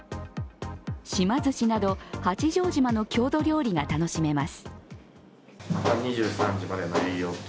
島ずしなど八丈島の郷土料理が楽しめます。